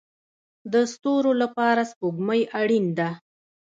د ستورو لپاره سپوږمۍ اړین ده